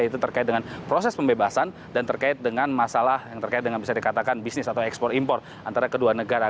yaitu terkait dengan proses pembebasan dan terkait dengan masalah yang terkait dengan bisa dikatakan bisnis atau ekspor impor antara kedua negara